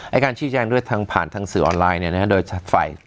ไอ้การชี้แจงด้วยทางผ่านทางสื่อออนไลน์เนี่ยนะครับโดยชัดไฟ